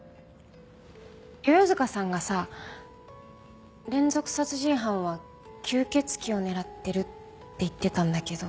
世々塚さんがさ連続殺人犯は吸血鬼を狙ってるって言ってたんだけど。